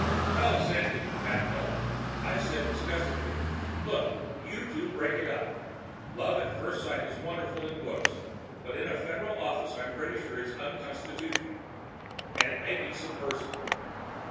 "Well, Sandy—" Pat gulped. I said disgustedly, "Look, you two—break it up! Love at first sight is wonderful in books, but in a Federal office I'm pretty sure it's unconstitutional, and it may be subversive.